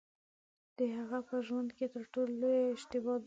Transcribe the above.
د هغه په ژوند کې تر ټولو لویه اشتباه دا وه.